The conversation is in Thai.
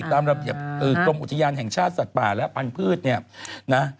ตามระเบียบกรมอุทยานแห่งชาติสัตว์ป่าและพันธุ์เนี่ยนะ